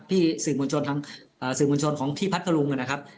สื่อมวลชนทางสื่อมวลชนของที่พัทธรุงนะครับ